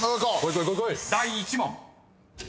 ［第１問］